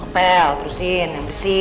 opel terusin bersih